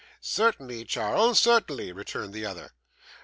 'Certainly, Charles, certainly,' returned the other.